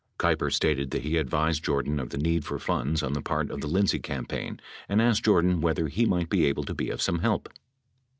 Keiper stated that he advised Jordan of the need for funds on the part of the Lindsay campaign and asked Jordan whether he might be able to be of some help.